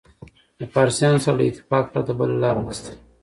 د فارسیانو سره له اتفاق پرته بله لاره نشته.